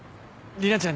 莉奈ちゃん？